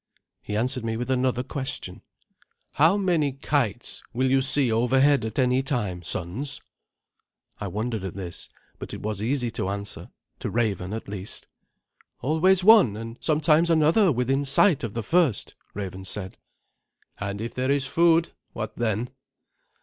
He answered me with another question. "How many kites will you see overhead at any time, sons?" I wondered at this, but it was easy to answer to Raven, at least. "Always one, and sometimes another within sight of the first," Raven said. "And if there is food, what then?"